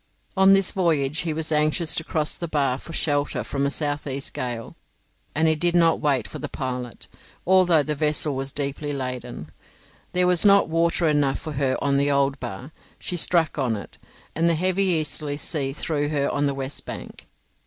On this voyage he was anxious to cross the bar for shelter from a south east gale, and he did not wait for the pilot, although the vessel was deeply laden; there was not water enough for her on the old bar; she struck on it, and the heavy easterly sea threw her on the west bank.